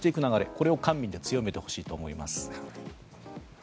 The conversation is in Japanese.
これを官民で強めてほしいと思います。